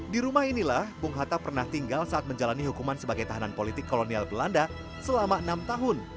di rumah inilah bung hatta pernah tinggal saat menjalani hukuman sebagai tahanan politik kolonial belanda selama enam tahun